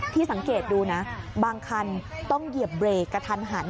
สังเกตดูนะบางคันต้องเหยียบเบรกกระทันหัน